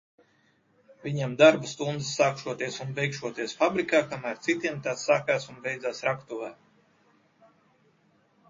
Viņam darba stundas sākšoties un beigšoties fabrikā, kamēr citiem tās sākās un beidzās raktuvē.